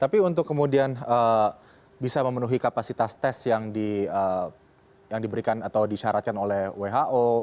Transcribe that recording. tapi untuk kemudian bisa memenuhi kapasitas tes yang diberikan atau disyaratkan oleh who